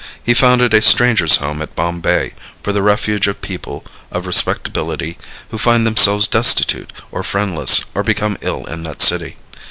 He founded a Strangers' Home at Bombay for the refuge of people of respectability who find themselves destitute or friendless or become ill in that city.